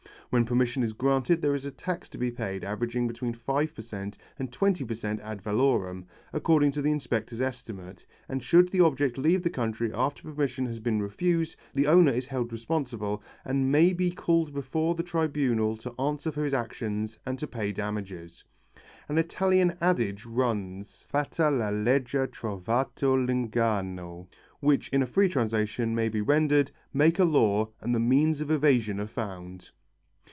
When permission is granted there is a tax to be paid averaging between 5 per cent and 20 per cent ad valorem, according to the inspector's estimate, and should the object leave the country after permission has been refused, the owner is held responsible and may be called before the tribunal to answer for his action and to pay damages. An Italian adage runs: Fatta la legge trovato l'inganno, which in a free translation may be rendered: Make a law and the means of evasion are found.